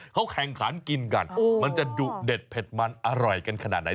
เขาแข่งขันกินกันมันจะดุเด็ดเผ็ดมันอร่อยกันขนาดไหน